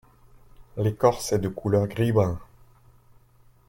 L'écorce est de couleur gris-brun.